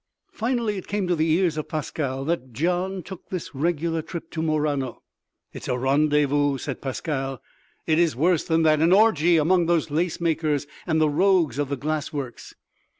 Finally it came to the ears of Pascale that Gian took this regular trip to Murano. "It is a rendezvous," said Pascale. "It is worse than that: an orgy among those lacemakers and the rogues of the glassworks.